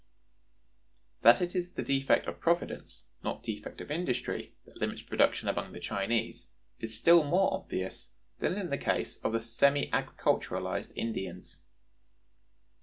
That it is defect of providence, not defect of industry, that limits production among the Chinese, is still more obvious than in the case of the semi agriculturized Indians.